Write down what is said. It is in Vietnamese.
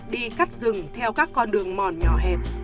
đi cắt rừng theo các con đường mòn nhỏ hẹp